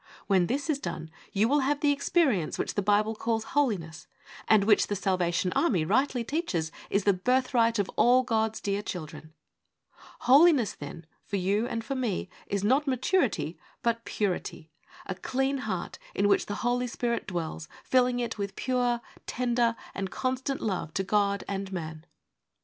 When this is done, you will have the experience which the Bible calls Holiness, and which The Salvation Army rightly teaches is the birthright of all God's dear children. Holiness, then, for you and for me, is not maturity, but purity : a clean heart in which the Holy Spirit dwells, filling it with pure, tender, and constant love to God and man.